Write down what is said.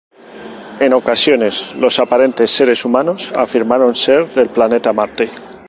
En ocasiones los aparentes seres humanos afirmaron ser del planeta Marte.